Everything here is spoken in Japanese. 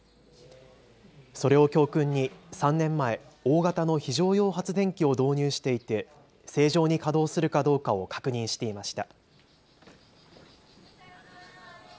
それを教訓に３年前、大型の非常用発電機を導入していて正常に稼働するかどうかを確認していました。